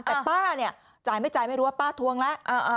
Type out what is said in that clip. แต่ป้าเนี่ยจ่ายไม่จ่ายไม่รู้ว่าป้าทวงแล้ว